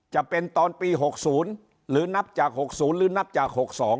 จะเป็นตอนปี๖๐หรือนับจาก๖๐หรือนับจาก๖๒